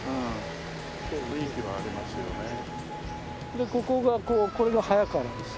でここがこうこれが早川なんですよ。